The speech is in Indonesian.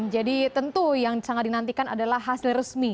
jadi tentu yang sangat dinantikan adalah hasil resmi